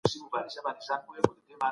زه زده کړه نه کوم.